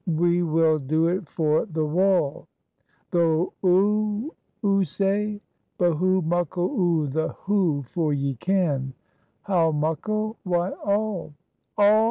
"We will do it for the wool." "Th' 'oo? oo ay! but hoo muckle o' th' 'oo? for ye ken " "How muckle? why, all."